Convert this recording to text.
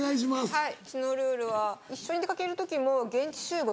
はい。